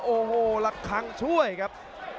โอ้โหละครั้งช่วยครับ